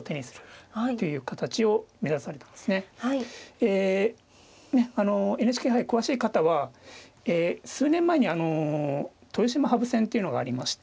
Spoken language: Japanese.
えあのＮＨＫ杯詳しい方は数年前に豊島羽生戦というのがありまして。